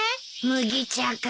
麦茶か。